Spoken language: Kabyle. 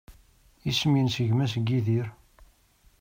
Isem-nnes gma-s n Yidir?